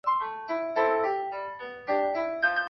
姜氏芋螺为芋螺科芋螺属下的一个种。